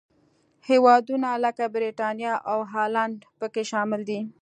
هېوادونه لکه برېټانیا او هالنډ پکې شامل دي.